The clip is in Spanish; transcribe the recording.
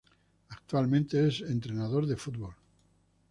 Actualmente es Entrenador de fútbol.